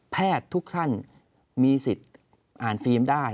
ทุกท่านมีสิทธิ์อ่านฟิล์มได้